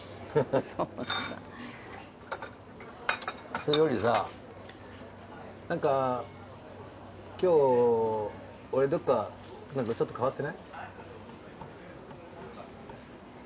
それよりさ何か今日俺どっか何かちょっと変わってない？